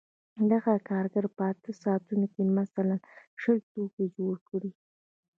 دغه کارګر په اته ساعتونو کې مثلاً شل توکي جوړ کړي